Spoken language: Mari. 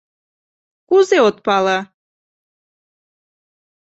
Кузе от пале?